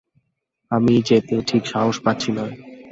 আমি যেতে ঠিক সাহস পাচ্ছি না।